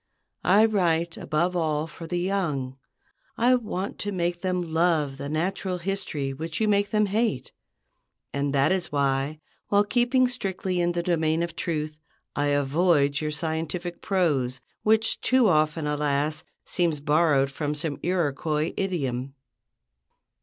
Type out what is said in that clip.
I write above all for the young. I want to make them love the natural history which you make them hate; and that is why, while keeping strictly in the domain of truth, I avoid your scientific prose, which too often, alas, seems borrowed from some Iroquois idiom.